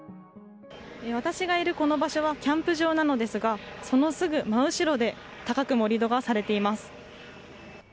私がいる、この場所はキャンプ場なのですがそのすぐ真後ろで高く盛り土がされています。